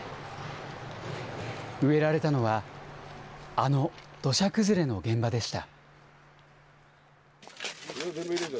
植えられたのは、あの土砂崩れの現場でした。